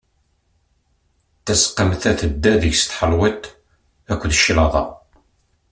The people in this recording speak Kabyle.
Tasqamt-a tedda deg-s tḥelwiḍt akked claḍa.